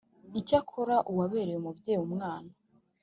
Icyakora uwabereye umubyeyi umwana